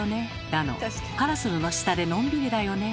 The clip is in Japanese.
だの「パラソルの下でのんびりだよね」